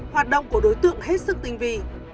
hoạt động của đối tượng hết sức tinh vi